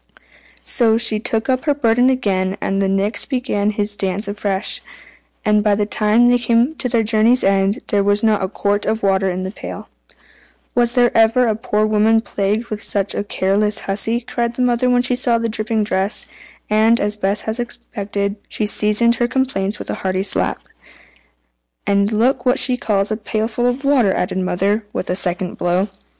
So she took up her burden again, and the Nix began his dance afresh, and by the time they came to their journey's end, there was not a quart of water in the pail. "Was ever a poor woman plagued with such a careless hussy?" cried the mother when she saw the dripping dress; and, as Bess had expected, she seasoned her complaints with a hearty slap. "And look what she calls a pailful of water!" added the mother, with a second blow.